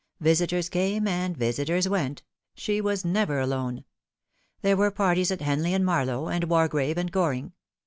Visitors came and visitors went. She was never alone. There were parties at Henley and Marlow, and Wargrave and Goring.